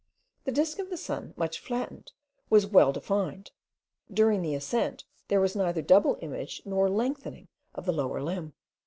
The disc of the sun, much flattened, was well defined; during the ascent there was neither double image nor lengthening of the lower limb.